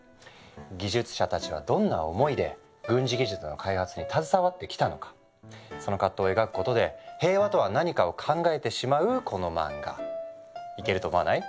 技術者たちはどんな思いで軍事技術の開発に携わってきたのかその葛藤を描くことで平和とは何かを考えてしまうこの漫画イケると思わない？